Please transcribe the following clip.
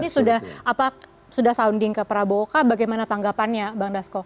ini sudah sounding ke prabowo kah bagaimana tanggapannya bang dasko